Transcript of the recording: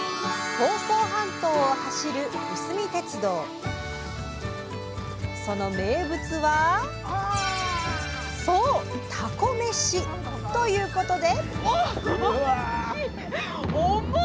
房総半島を走るその名物はそうたこめし。ということで！